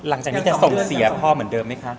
หลังจากนี้จะส่งเสียพ่อเหมือนเดิมไหมคะ